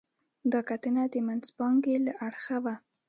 دا کتنه د منځپانګې له اړخه وه.